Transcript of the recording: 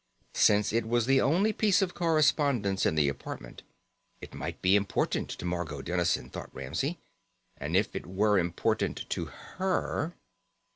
Since it was the only piece of correspondence in the apartment, it might be important to Margot Dennison, thought Ramsey. And if it were important to her....